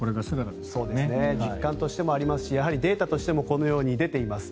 実感としてもありますしやはりデータとしてもこのように出ています。